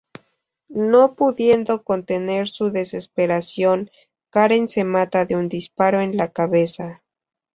No pudiendo contener su desesperación, Karen se mata de un disparo en la cabeza.